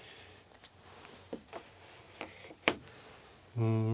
うん。